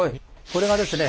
これがですね